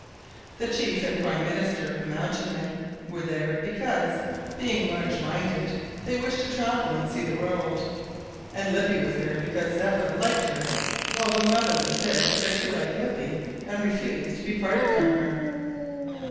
The chief and prime minister of the Mountain men were there because, being large minded, they wished to travel and see the world; and Lippy was there because Zeppa liked her; while the mother was there because she liked Lippy and refused to be parted from her.